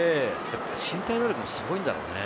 身体能力もすごいんだろうね。